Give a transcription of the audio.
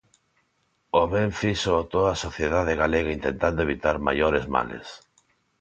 O ben fíxoo toda a sociedade galega intentando evitar maiores males.